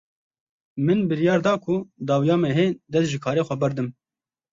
Min biryar da ku dawiya mehê dest ji karê xwe berdim.